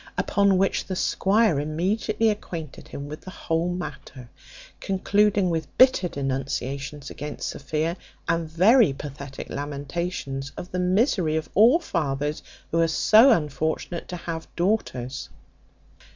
Upon which the squire immediately acquainted him with the whole matter, concluding with bitter denunciations against Sophia, and very pathetic lamentations of the misery of all fathers who are so unfortunate to have daughters.